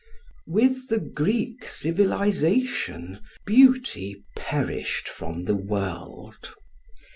With the Greek civilisation beauty perished from the world.